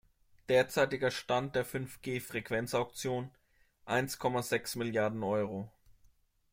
Derzeitiger Stand der Fünf-G-Frequenzauktion: Eins Komma sechs Milliarden Euro.